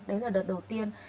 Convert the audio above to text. đấy là đợt đầu tiên